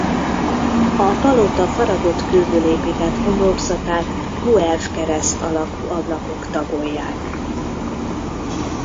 A palota faragott kőből épített homlokzatát guelf kereszt alakú ablakok tagolják.